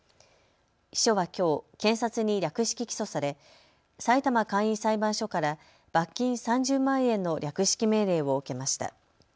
秘書はきょう検察に略式起訴されさいたま簡易裁判所から罰金３０万円の略式命令を受けました。